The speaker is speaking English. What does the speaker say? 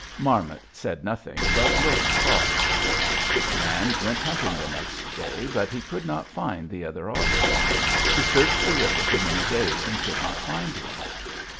"Marmot said nothing, but looked cross. "The man went hunting the next day but he could not find the other otter. He searched the river for many days and could not find one.